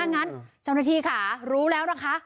งั้นเจ้าหน้าที่ค่ะรู้แล้วนะคะ